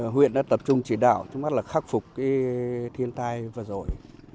huyện đã tập trung chỉ đạo chúng ta là khắc phục thiên tai vừa rồi